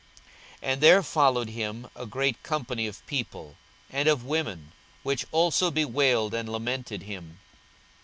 42:023:027 And there followed him a great company of people, and of women, which also bewailed and lamented him.